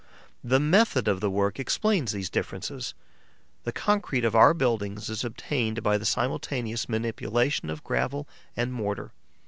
The method of the work explains these differences. The concrete of our buildings is obtained by the simultaneous manipulation of gravel and mortar.